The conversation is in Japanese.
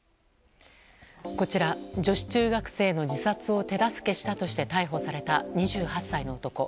こちら女子中学生の自殺を手助けしたとして逮捕された２８歳の男。